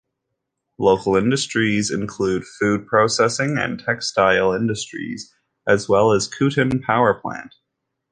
Local industries include food processing and textile industries, as well as Kuitun Power Plant.